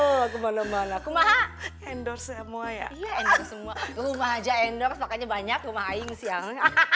oh kemana mana kumaha endorse semua ya semua rumah aja endorse makanya banyak rumah aing siang